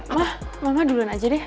wah mama duluan aja deh